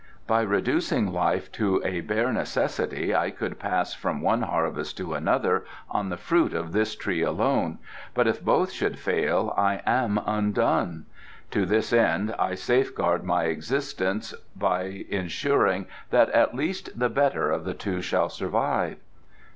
By reducing life to a bare necessity I could pass from one harvest to another on the fruit of this tree alone, but if both should fail I am undone. To this end I safeguard my existence by ensuring that at least the better of the two shall thrive."